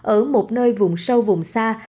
ở một nơi vùng sâu vùng xa